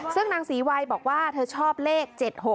ซึ่งนางศรีวัยบอกว่าเธอชอบเลข๗๖